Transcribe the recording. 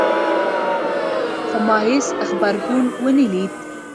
خو ما هیڅ غبرګون ونه لید